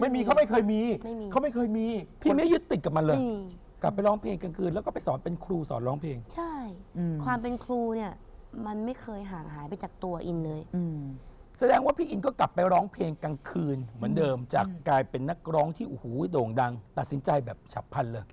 เมื่อพี่อิ้นก็กลับไปร้องเพลงกลางคืนเหมือนเดิมจะกลายเป็นนักร้องที่โด่งดังตัดสินใจแบบฉับพันเลย